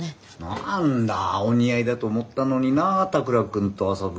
何だお似合いだと思ったのにな田倉君と麻吹さんは。